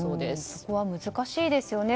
そこは難しいですよね。